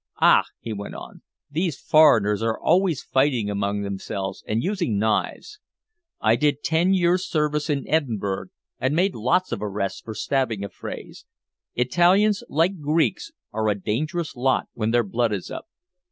"Ah," he went on, "these foreigners are always fighting among themselves and using knives. I did ten years' service in Edinburgh and made lots of arrests for stabbing affrays. Italians, like Greeks, are a dangerous lot when their blood is up."